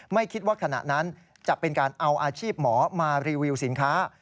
ไม่คิดว่าขณะนั้นจะเป็นการเอาอาชีพหมอมารีวิวสินค้า